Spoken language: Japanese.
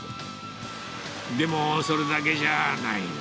でも、それだけじゃない。